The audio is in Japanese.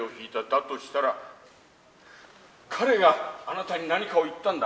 だとしたら彼があなたに何かを言ったんだ。